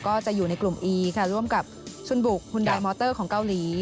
ก็จะอยู่ในกลุ่มอีค่ะร่วมกับชุนบุกฮุนดามอเตอร์ของเกาหลี